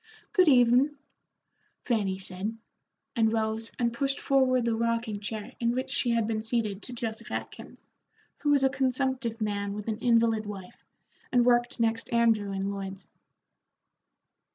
"Good evenin'," Fanny said, and rose and pushed forward the rocking chair in which she had been seated to Joseph Atkins, who was a consumptive man with an invalid wife, and worked next Andrew in Lloyd's.